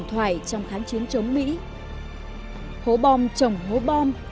hố bom chồng hố bom